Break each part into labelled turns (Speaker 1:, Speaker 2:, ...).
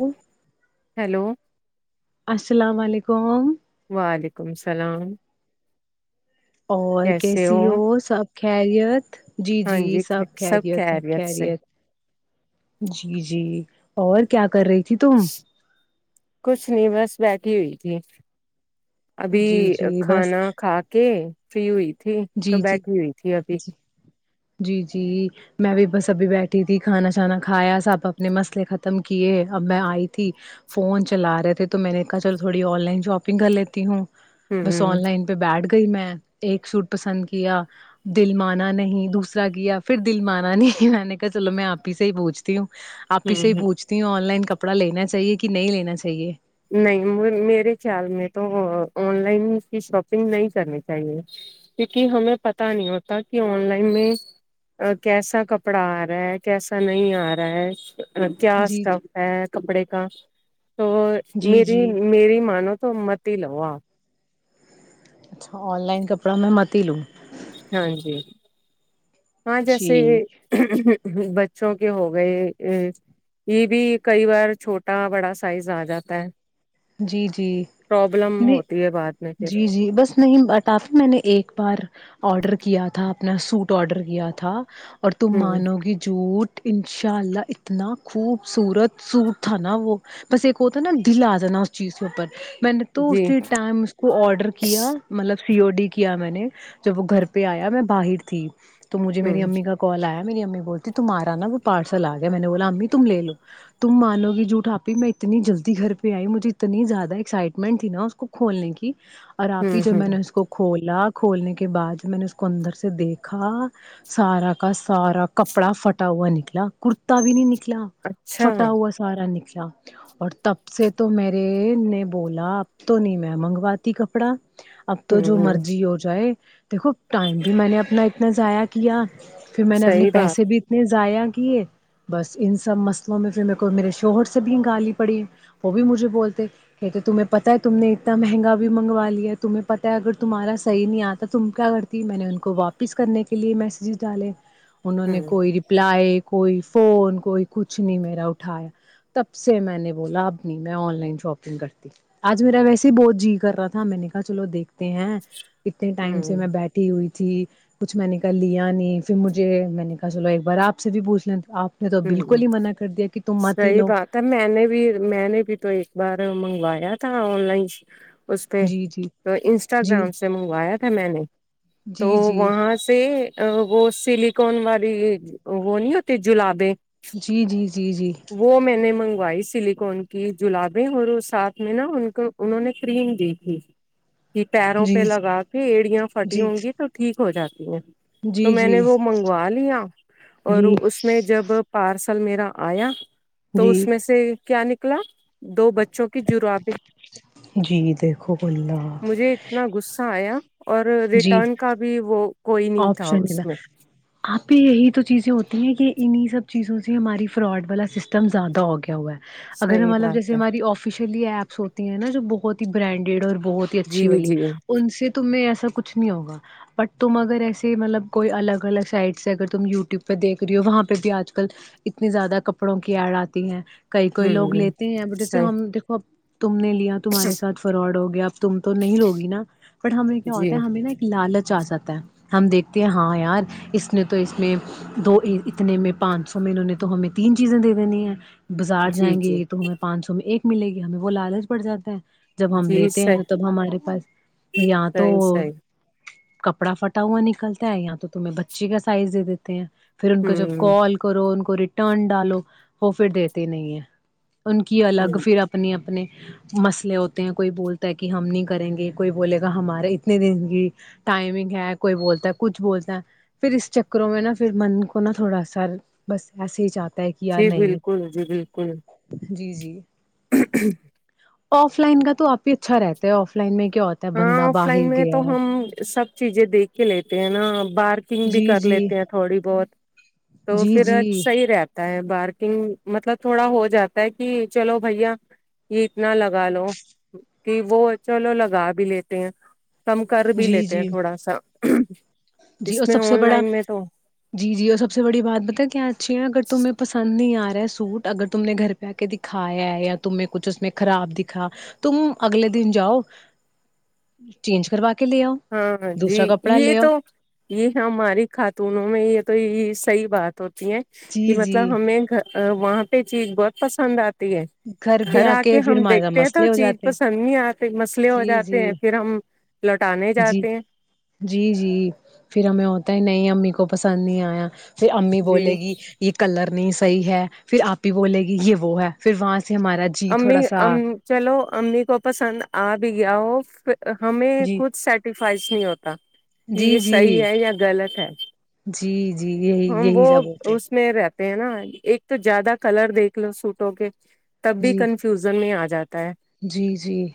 Speaker 1: hello
Speaker 2: hello
Speaker 1: السلام علیکم
Speaker 2: وعلیکم السلام
Speaker 1: اور کیسی ہو سب خیریت جی جی سب خیریت سب خیریت جی جی اور کیا کر رہی تھی تم
Speaker 2: کچھ نہیں بس بیٹٹھی ہوئی تھی ابھی
Speaker 1: جی جی بس
Speaker 2: کھانا خاکے [unintelligible] تھی تو
Speaker 1: جی جی
Speaker 2: بیٹھی ہوئی تھی ابھی
Speaker 1: جی جی جی میں بھی بس ابھی بیٹھی تھی کھانا چھانا کھایا سب اپنے مسئلے ختم کیے اب میں آئی تھی فون چلا رہے تھے تو میں نے کہا چل تھوڑی آن لائن شاپنگ کر لیتی ہوں بس
Speaker 2: ہوں
Speaker 1: آن لائن پہ بیٹھ ئی میں ایک سوٹ پسند کیا دل مانا نہیں دوسرا کیا پھر دل مانا نہیں میں نے کہا چلو میں آپ ہی سے ہی پوچھتی ہوں آپ ہی سے ہی
Speaker 2: ہ
Speaker 1: پوچھتی ہوں آن لائن کا کپڑا لینا چاہیے کہ نہیں لینا چاہیے
Speaker 2: نہیں میرے خیال میں تو آن لائن کی شاپنگ نہیں کرنی چاہیے کیونکہ ہمیں پت نہیں ہوتا کہ آن لائن میں کیسا کپڑا آ رہا ہے کیسا نہیں آ رہا ہے کیا
Speaker 1: جی
Speaker 2: اسٹف ہے کپڑے کا تو
Speaker 1: جی جی
Speaker 2: میری میری مانو تو مت ھی لاؤ اپ
Speaker 1: اچھا آن لائن کپڑا میں متی لوں
Speaker 2: ہاں جی ہاں جیسے
Speaker 1: جی
Speaker 2: بچوں کے ہو گئے ا یہ بھی کئی بار چھوٹا بڑا سائز آ جاتا ہے
Speaker 1: جی جی
Speaker 2: پرابلم
Speaker 1: میں
Speaker 2: ہوتی ہے بعد میں پھر
Speaker 1: جی جی بس نہیں اٹاف میں نے ایک بار آڈر کیا تھا اپنا سوٹ آڈر کیا تھا اور تم
Speaker 2: ہوں
Speaker 1: مانو گی جھوٹ انشاء اللہ اتنا خوبصورت سوٹ تھا نا وہ بس ایک ہوتا نا دل آ جانا چیز کے اوپر میں نے تو
Speaker 2: جی
Speaker 1: اسی ٹائم اس کو آرڈر کیا مطلب سی او ڈی کیا میں نے جب وہ گھر پہ آیا میں باہر تھی تو مجھے میری
Speaker 2: ہوں
Speaker 1: امی کا کال آیا میری امی بولتی تم آ رہا نا وہ پارسل آ گیا میں نے بولا امی تم لے لو تم مانوی جھٹ آپ م میں اتنی جلدی گھر پہ آئی مجھے اتنی زیادہ ایکسائٹمنٹ تھی نا اس کو کھولنے کی اور آپ ہی
Speaker 2: ہوں
Speaker 1: جو میں
Speaker 2: ہوں
Speaker 1: نے اس کو کھول ک کھولنے کے بعد جب میں نے اس کو اندر سے دیکھا سارا کا سارا کپڑا فٹا ہوا نکلا کرتا بھی نہیں نکلا نکلا
Speaker 2: اچھا
Speaker 1: فٹا ہوا سارا نکل اچا اور تب سے تو م نے بولا اب تو نہیں میں منگوات کپڑا اب تو
Speaker 2: ہوں
Speaker 1: جو
Speaker 2: ہ
Speaker 1: مرضی ہو جائے دیکھو ٹائم بھی میں نے اپنا اتنا ضائع کیا پھر میں نے اپنے
Speaker 2: صحیح بات
Speaker 1: پیسے بھی اتنے ضائع ے بس ان سب مسئلوں میں پھر میر کو میرے شوہر سے بھی گالی پڑی وہ بھی مجھے بول تھ کہتے تمہیں پتہ ہے تم نے اتنا مہنگا بھی منگایا تمہیں پہ ہے اگر تمہارا صح آتا تم کیا کرتی میں نے ان کو واپس کرنے کے لیے میسجز ڈالے انوں نے
Speaker 2: ہوں
Speaker 1: کوئی رپلائی کوئی فون کوئی کچھ نہیں میرا اٹھایا تب سے میں نے بولا اب نہیں میں آن لائن شاپگ کرتی آج میرا ویسے ہی بہت جی کر رہا تھا میں نے کہا چلو دیکھتے ہیں اتنے ٹائم سے
Speaker 2: ہوں
Speaker 1: میں بیٹھی ہوئی تھی تھی کچھ میں نے کہا لیا نہیں پھر مجھے میں نے کہا سو ایک بار آپ سے بھی پوچھ لیں آپ نے تو
Speaker 2: ہ ہ
Speaker 1: بالکل ہی منع کر دیا کہ تم مت ہی
Speaker 2: صحی
Speaker 1: لو
Speaker 2: بات ہے میں نے بھی میں نے بھی تو ایک بار مگ وایا تھا آن لائن اس پہ
Speaker 1: جی جی
Speaker 2: تو
Speaker 1: جی
Speaker 2: انسٹاگرام سے منگوایا تھا میں نے تو
Speaker 1: جی جی
Speaker 2: وہاں سے وہ سلییکن والی وہ ن جلاب
Speaker 1: جی جی ج
Speaker 2: وہ میں نے منگ سلیکون کی جلابیں اور ساتھ میں نا ان کو انہوں نے کریم دی تھی کہ پیروں پہ
Speaker 1: جی
Speaker 2: لگا کے ایڑیا فٹی
Speaker 1: جی
Speaker 2: ہوں گی تو ٹھیک ہو جاتی ہیں
Speaker 1: جی
Speaker 2: تو میں
Speaker 1: جی
Speaker 2: نے وہ منگوا لیا اور
Speaker 1: جی
Speaker 2: اس میں جب پارس سللمیرا آیا تو اس
Speaker 1: جی
Speaker 2: میں سے کیا نہیں اگلا دو بچوں کی جرابیں
Speaker 1: جی دیکھو اللہ
Speaker 2: مجھے اتنا غصہ آیا اور
Speaker 1: جی
Speaker 2: ریٹرن کا بھی وہ کوئی نہیں تھا
Speaker 1: آپشن
Speaker 2: اس میں
Speaker 1: ادھر آپ پہ یہی تو چیزیں ہوتی ہیں کہ انہ سب چیزوں سے ہماری فراڈ والا سسٹم زیادہ ہو گیا ہوا ہے اگر
Speaker 2: صحیح
Speaker 1: ہمطلب
Speaker 2: بات
Speaker 1: جیسے
Speaker 2: ہے
Speaker 1: ہماری آفیشلی ایپ ہوتی ہیں نا جو بہت ہی برانڈیڈ اور بہت ہی
Speaker 2: جی
Speaker 1: اچھی بلی
Speaker 2: جی ہوں
Speaker 1: ان سے ت ایس کچھ نہیں ہوگا بٹ تم اگر اگر ایسے مطلب کوئی الگ الگ سائٹس اگر تم یوٹیوب پہ دیکھ رہی ہو وہاں پہ بھی آج کل اتنی زیادہ کپڑوں کی ایڈ آتی ہیں کئی کوئی لوگ لیتے ہیں اب جیسے
Speaker 2: صحیح
Speaker 1: ہم دیکو تم نے لیا تمہارے سات فراڈ ہو گیا اب تم تو نہیں لوگی نا بٹ ہمیں کیا
Speaker 2: جی
Speaker 1: ہوتا ہے ہمیں نا ایک لالچ اجازت ہے ہم دیکھتے ہیں ہاں یار اس نے تو اس میں دو اتنے میں پانچ سو میں انہوں نے تو ہمیں تین چیزیں دے دینی ہیں بازار
Speaker 2: جی
Speaker 1: جائیں گے
Speaker 2: جی
Speaker 1: تو ہمیں پانچ سو میں ایک ملے گی ہمیں وہ لالچ پڑ جاتا ہے جب ہم
Speaker 2: جی صحیح
Speaker 1: لیتے ہیں نا تب ہمارے پاس اں تو
Speaker 2: صحیح صحیح
Speaker 1: کپڑا فٹا تا ہوا نکلتا ہے یہاں تو تمہیں بچی کا سائز دے دیتے ہیں پھر ان کو جب
Speaker 2: ہوں
Speaker 1: کال کرو ان کو کو ریٹرن ڈالو وہ پھر دیتے نہیں ہیں ان کی الگ
Speaker 2: جی
Speaker 1: پھر اپنی اپنے مسئلے ہوتے ہیں کوئی بولتا ہے کہ ہم نہیں کریں گے کوئی بولے گا ہمارے اتنے دن کی ٹائمنگ ہے کوئی بولتا ہے کچھ بولتا ہے پھر اس چکروں میں نا پھر من کو نا تھوڑا ا سر بس ایسے ہی چانتا
Speaker 2: جی بالکل جی بالکل
Speaker 1: جی جی
Speaker 2: [unintelligible]
Speaker 1: آف لائن کا تو آپ ہی اچھا رہتا ہے آف لائن میں کیا ہوتا ہے
Speaker 2: ہاں
Speaker 1: بندہ
Speaker 2: آف لائن
Speaker 1: باہر
Speaker 2: میں
Speaker 1: گیا
Speaker 2: تو
Speaker 1: ہے
Speaker 2: ہم سب چیزیں دیکھ کے لیتے ہیں نا بارکنگ بھی
Speaker 1: جی
Speaker 2: کر
Speaker 1: جی
Speaker 2: لیتے ہیں تھوڑی بہت تو
Speaker 1: جی
Speaker 2: پھر
Speaker 1: جی
Speaker 2: صحیح رہپ ہے بارکنگ مطلب تھوڑا ہو جاتا ہے کہ چلو بھیا یہ اتنا لگا لو کہ وہ چلو لگا بھی لیتے ہیں کم کر بھی
Speaker 1: جی
Speaker 2: لیتے ہیں
Speaker 1: جی
Speaker 2: تھوڑا سا [unintelligible]
Speaker 1: جی اور
Speaker 2: اس میں
Speaker 1: سب سے
Speaker 2: آن
Speaker 1: بڑا
Speaker 2: لائن میں تو
Speaker 1: جی جی اور سب سے بڑی بات بت کیا اچھی ہے اگر تمہیں پسند نہیں آ رہ سوٹ اگر تم نے گھر پہ آ کے دکھایا ہے یا تم نے کچھ اس میں خراب دکھا تم اگلے دن جاؤ چینج کروا کے لے آؤ
Speaker 2: ہاںاں جی
Speaker 1: دوسرا کپڑا
Speaker 2: یہ
Speaker 1: لے آؤ
Speaker 2: تو یہ ہماری خاتونوں میں یہ تو یہ صحیح بات توتی ہے کہ
Speaker 1: جی جی
Speaker 2: مطلب ہمیں وہاں پہ چیز بہت پسند آتی
Speaker 1: پہ
Speaker 2: گھر آ کے ہم
Speaker 1: پھر ہمارے ساتھ
Speaker 2: دیکھتے ہیں تو
Speaker 1: مسئلے ہو
Speaker 2: چیز
Speaker 1: جاتے ہیں
Speaker 2: پسند نہیں آتی مسئلے ہو
Speaker 1: جی
Speaker 2: جاتے
Speaker 1: جی
Speaker 2: ہیں پھر ہم لو
Speaker 1: جی جی جی پھر ہمیں ہوتا ہے نہیں ہم کو پسند نہیں آیا پ امی
Speaker 2: جی
Speaker 1: بولے گی یہ کلر نی صحیح ہے پھر آپ ہی بولے گی یہ وہ ہے پھر وہاں سے ہمارا جی تھوڑا
Speaker 2: امی
Speaker 1: سا
Speaker 2: چلو امی کو پسند آ بیاں ہمیں
Speaker 1: جی
Speaker 2: خود سیٹیفائز نہیں ہوتا کہ
Speaker 1: جی
Speaker 2: یہ
Speaker 1: جی
Speaker 2: صحیح ہے یا غلط ہے
Speaker 1: جی جی یہی
Speaker 2: ہم
Speaker 1: یہی
Speaker 2: وہ
Speaker 1: سب ہوتے ہیں
Speaker 2: اس میں رہتا نا ایک تو زیادہ کلر دیکھ لو سوٹوں کے تب بھی
Speaker 1: جی
Speaker 2: کنفیوزن میں آ ج
Speaker 1: جی جی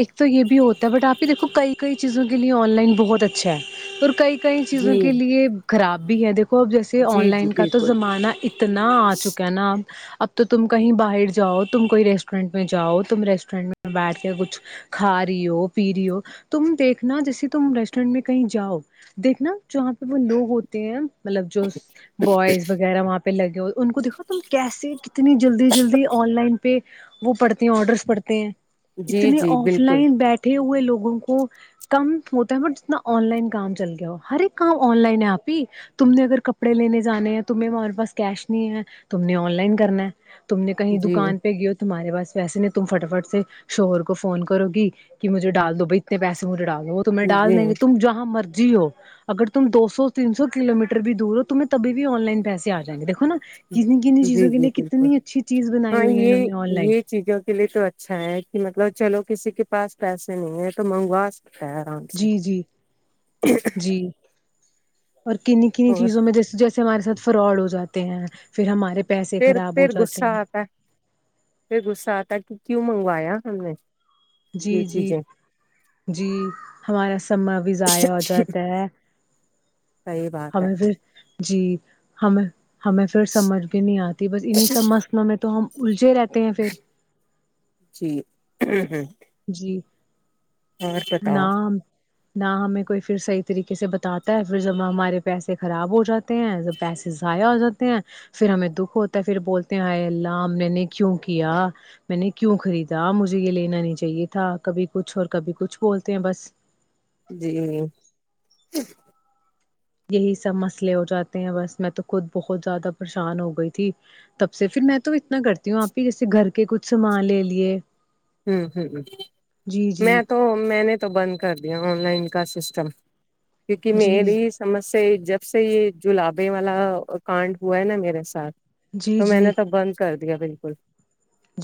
Speaker 1: ایک تو یہ بھی ہوتا ہے بٹ آپ دیکھو کئی کئی چیزوں کے لیے آن لائن بہت اچھا ہے اور کئی کئی چیزوں
Speaker 2: جی
Speaker 1: کے لیے خراب بھی ہے کو اب جیسے آن
Speaker 2: جی جی
Speaker 1: لائن کا تو
Speaker 2: بالکل
Speaker 1: زمانہ اتنا آ چکا ہے نہ اب اب تو تم کہیں باہر جاؤ تم کوئی ریسٹورینٹ جاؤ تم ریسٹورینٹ میں بیٹھ کے کچھ کھا رہی ہو پی رہی ہو تم دیکھنا جیسے تم ریسٹورینٹ میں کہیں جاؤ دیکھنا جہاں پہ وہ لوگ ہوتے ہیں مطلب جو بوائز وغیرہ وہاں پہ لگے ہوئے ان کو دیکھو تم کیسے کتنی جلدی جلدی آن لائن پہ وہ پڑھتے ہیں آرڈرس پڑھتے ہیں
Speaker 2: جی
Speaker 1: اتنے
Speaker 2: جی
Speaker 1: آف
Speaker 2: بالکل
Speaker 1: لائن بیٹھے ہوئے لوگوں کو کم ہوتا ہے بٹ جتنا آن لائن کام چل گیا ہو ہر ایک کام آن لائن ہے آپی تم نے اگر کپڑے لینے جانے ہیں تم ہمارے پاس کیش نہیں ہے تم نے آن لائن کرنا تم نے کہیں
Speaker 2: جی
Speaker 1: دکان پہ گیا تمہارے پس ویسے نہیں تم فٹا فٹ سے شوہر کو فون کرو گی کہ مجھے ڈال دو بائی اتنے پیسے مجھے ڈال دو وہ تمہیں ڈال
Speaker 2: جی
Speaker 1: دیں گے تم جہاں مرضی اگر تم دو سو تین سو کلومیٹر بھی دور ہو تمہیں کبھی بھی ان لائن پیسے اجائیں گے دیکھو نا جی کتنی کتنی چیزوں کے
Speaker 2: جی
Speaker 1: لیے
Speaker 2: بالکل
Speaker 1: کتنی اچھی چیز بنائی
Speaker 2: ہاں
Speaker 1: ہوئی ہے انوں
Speaker 2: یہ
Speaker 1: نے آن لائن
Speaker 2: یہ چیزوں کے لیے تو اچھا ہے کہ مطلب مطلب چلو کسی کے پاس پیسے نہیں ہے تو منگوا سکتا ہے آرام سے
Speaker 1: جی جی جی اور کننی کننی
Speaker 2: اور
Speaker 1: چیزوں میں جیسے جیسے ہمارے ساتھ فراڈ ہو جاتے ہیں پھر ہمارے پیسے
Speaker 2: پھر
Speaker 1: خراب ہو
Speaker 2: پھر
Speaker 1: جاتے
Speaker 2: غصہ
Speaker 1: ہیں
Speaker 2: آتا ہے پھر غصہ آتا ہے کہ کیوں منگو وایا ہم نے
Speaker 1: جی
Speaker 2: یہ
Speaker 1: جی
Speaker 2: چیزیں
Speaker 1: جی ہمارا سماں بھی ضائع ہو جاتا ہے
Speaker 2: صحیح بات ہے
Speaker 1: ہمیں پھر جی ہمیں ہمیں پھر سمجھ بھی نہیں آتی بس انہیں سب مسلوں میں تو ہم الجے رہتے ہیں پھر
Speaker 2: جی ہہمہم
Speaker 1: جی
Speaker 2: اور
Speaker 1: نہ
Speaker 2: بتاؤ
Speaker 1: ہم نہ ہمیں کوئی پھر صحیح طریقے سے بتاتا ہے پھر جب ہمارے پیسے خراب ہو جاتے ہیں جب پیسے ضائع ہو جاتے ہیں پھر ہمیں دکھ ہوتا ہے پھر بولتے ہیں ہائے اللہ میں نے کیوں کیا میں نے کیوں خریدا مجھے یہ لینا نہیںاہی چاہیے تھا کبھی کچھ اور کبھی کچھ بولتے ہیں بس
Speaker 2: جی
Speaker 1: یہی سب مسئلے ہو جاتے ہیں بس میں تو خود بہت زیادہ پریشان ہو گئی تھی تب سے پھر میں تو اتنا کرتی ہوں آپ ہی جیسے گھر کے کچھ سامان لے لیے
Speaker 2: ہ ہ ہ
Speaker 1: جی جی
Speaker 2: میں تو میں نے تو بند کر دیا آن لائن کا سسٹم کیونکہ
Speaker 1: جی
Speaker 2: میری سمسیا جب سے یہ جو لبے والا کانڈ ہوا ہے نا میرے ساتھ
Speaker 1: جی
Speaker 2: تو میں
Speaker 1: جی
Speaker 2: نے تو بند کر دیا بالکل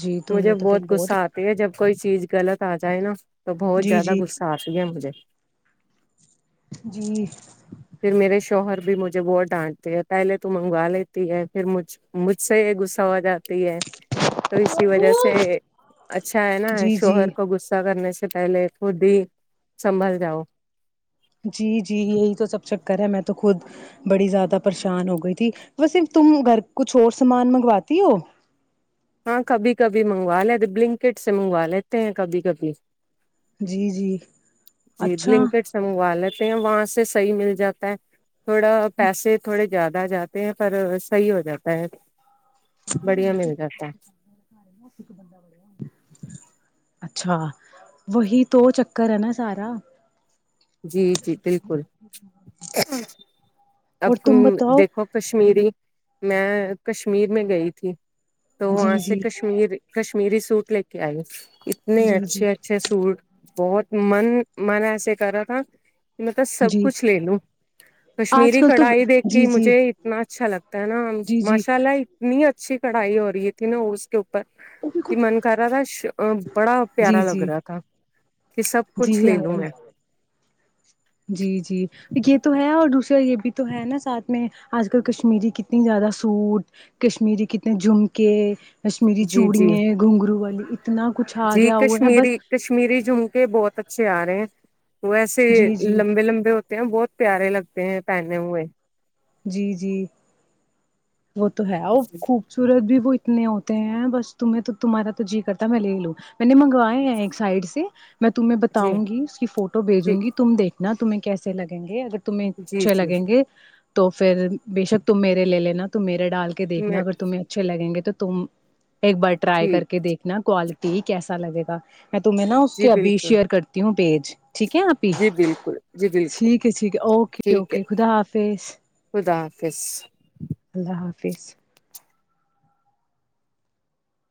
Speaker 1: جی تم
Speaker 2: مجھے
Speaker 1: نے تو پھر
Speaker 2: بہت غصہ آتا جب کوئی چیز غلط آ جائے نا تو بہت
Speaker 1: جی
Speaker 2: زیادہ
Speaker 1: جی
Speaker 2: غصہ آ گیا مجھے
Speaker 1: جی
Speaker 2: پھر میرے شوہر بھی مجھے وہہ ڈانٹتی ہے پہلے تو منگوا لیتی ہے پھر مجھ مجھ سے یہ غصہ ہو جات ہے تو اسی وجہ سے اچھا ہے نا
Speaker 1: جی جی
Speaker 2: شوہر کو غصہ کرنے سے سے پہلے خود ہی سنبھال جاؤ
Speaker 1: جی جی یہی تو سب چکر ہے میں تو خود بڑی زیادہ پریشان ہو گئی تھی بسےف تم گھر کچھ اور سامان منگواتی ہو
Speaker 2: ہاں کبھی کبھی منگوا لیتے بلنکٹ سے منگوا لیتے ہیں کبھی کبھی
Speaker 1: جی جی
Speaker 2: جی
Speaker 1: اچھا
Speaker 2: بلنکڈ سو والالت ہیں وہاں سے صحیح مل جاتا ہے تھوڑا پیسے تھوڑے زیادہ جاتے ہیں پر صحیح ہو جاتا ہے بڑھیا مل جاتا
Speaker 1: ارے میں ہپ ایک بند بڑ اچھا وہی تو چکر ہے نا سارا
Speaker 2: جی جی بالکل اب
Speaker 1: اور تم بتاؤ
Speaker 2: دیکھو کشمیری میں کشمیر میں گئی تھی تو
Speaker 1: جی
Speaker 2: وہاں سے
Speaker 1: جی
Speaker 2: کشمیر کش کش ممیری سوٹ لے کے آئی اتنے
Speaker 1: جی جی
Speaker 2: اچھے اچھے سوٹ بہت من منے کرا [unintelligible] تات [unintelligible] میںلب سب
Speaker 1: جی
Speaker 2: کچھ لے لوں
Speaker 1: آج
Speaker 2: کشمیری
Speaker 1: کل تو
Speaker 2: کڑھائی دیکھ
Speaker 1: جی
Speaker 2: کے
Speaker 1: جی
Speaker 2: مجھے اتنا اچھا لگتا ہے نا
Speaker 1: جی جی
Speaker 2: ماشاء اللہ اتنی ا اچھی کڑھائی ہو رہی تھی نا کے اوپر کہ من کر رہا تھا بڑا
Speaker 1: جی
Speaker 2: پیارا لگ
Speaker 1: جی
Speaker 2: رہا تھا کہ سب
Speaker 1: جی
Speaker 2: کچھ لے لوں
Speaker 1: آپ
Speaker 2: میں
Speaker 1: جی جی یہ تو ہے اور دوسرا یہ بھی تو ہے نا ساتھ میں آج کل کشمیری کتنی زیادہ سوٹ کشمیری کتنے جھمکے کشمیری
Speaker 2: جی
Speaker 1: چوڑی
Speaker 2: جی
Speaker 1: گھونگھرو والی اتنا کچھ آ
Speaker 2: جی
Speaker 1: گیا وہ ہے بس
Speaker 2: کشمیری کشمیری جھمکے بہت اچھے آ رہے ہیں وہ ایسے
Speaker 1: جی جی
Speaker 2: لمبے لمبے ہوتے ہیں بہت پیارے لگتے ہیں پہنے ہوئے
Speaker 1: جی جی وہ تو ہے اور خوبصورت بھی وہ اتنے ہوتے ہیں بس تیں تو تمہارا تو جی کرتا میں لے لوں میں نے منگوائے ہیں ایک سائڈ سے میں تمہ
Speaker 2: جی
Speaker 1: بتاؤ گی اس کی فوٹو بھیجوں
Speaker 2: ٹھیک
Speaker 1: گی تم دیکھ نہ تمہیں کیس لگیں گے اگر تمہیں
Speaker 2: جی
Speaker 1: اچھے
Speaker 2: جی
Speaker 1: لگیں گے تو پھر بے شک تم میرے لے لینا توم میں ڈال کے دیکنا
Speaker 2: میں
Speaker 1: اگر تمہیں اچھے لگیں گ تو تم ایک بار ٹرائی کر
Speaker 2: ٹھیک
Speaker 1: کے دیکھنا کوالٹی ٹھیک ایسا لگے گا میں تمہیں نا اس
Speaker 2: جی
Speaker 1: کے ابھی
Speaker 2: بالکل
Speaker 1: شیئر کرتی ہوں پیج [inaudible] ٹھیک ہے آپ ہی
Speaker 2: جی بالکل جی بالکل
Speaker 1: ٹھیک ہے ٹھیک ہے اوکے
Speaker 2: ٹھیک ہے
Speaker 1: اوکے خدا حافظ
Speaker 2: خدا حافظ
Speaker 1: تحافظ